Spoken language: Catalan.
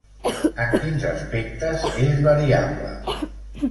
En quins aspectes és variable?